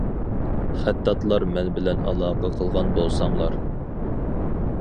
خەتتاتلار مەن بىلەن ئالاقە قىلغان بولساڭلار!